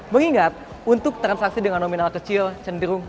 mengingat untuk transaksi dengan nominal kecil cenderung